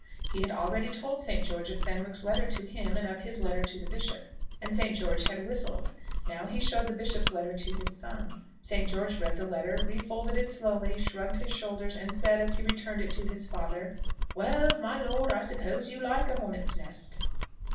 He had already told St. George of Fenwick's letter to him and of his letter to the bishop, and St. George had whistled. Now he showed the bishop's letter to his son. St. George read the letter, refolded it slowly, shrugged his shoulders, and said, as he returned it to his father, "Well, my lord, I suppose you like a hornet's nest."